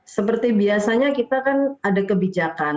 seperti biasanya kita kan ada kebijakan